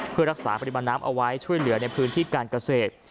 เพื่อรักษาปริมาณน้ำเอาไว้ช่วยเหลือในพื้นที่การเกษตร